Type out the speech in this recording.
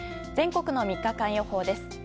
全国の３日間予報です。